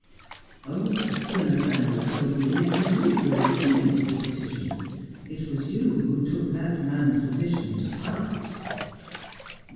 ' But Sir Nathaniel told me it was you who originated the petition. It was you who took that man's position to heart.'